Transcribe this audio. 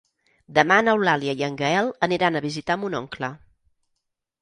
Demà n'Eulàlia i en Gaël aniran a visitar mon oncle.